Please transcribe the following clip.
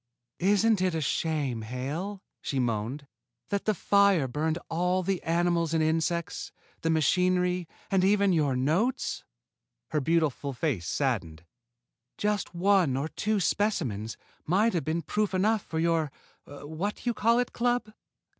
"Isn't it a shame, Hale," she moaned, "that the fire burned all the animals and insects, the machinery, and even your notes?" Her beautiful face saddened. "Just one or two specimens might have been proof enough for your What You Call It Club!"